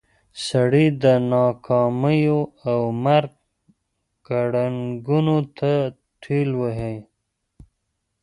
سړی د ناکاميو او مرګ ګړنګونو ته ټېل وهي.